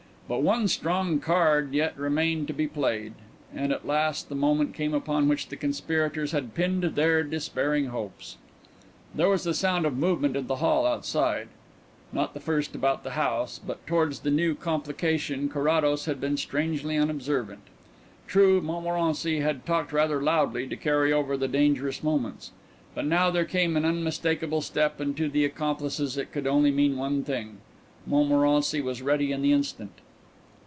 But one strong card yet remained to be played, and at last the moment came upon which the conspirators had pinned their despairing hopes. There was the sound of movement in the hall outside, not the first about the house, but towards the new complication Carrados had been strangely unobservant. True, Montmorency had talked rather loudly, to carry over the dangerous moments. But now there came an unmistakable step and to the accomplices it could only mean one thing. Montmorency was ready on the instant.